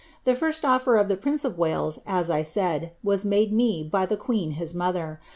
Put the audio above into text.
The first ofier of the prince of Wales, as I said, wai made me by the queen his mother.